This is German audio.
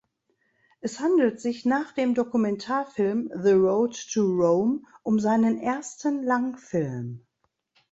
Es handelt sich nach dem Dokumentarfilm "The Road to Rome" um seinen ersten Langfilm.